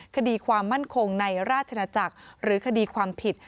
คดีความมั่นคงในราชนาจักรหรือคดีความผิด